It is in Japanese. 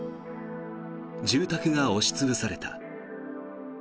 住宅が押し潰された。